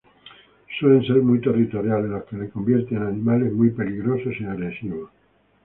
Suelen ser muy territoriales, lo que los convierte en animales muy peligrosos y agresivos.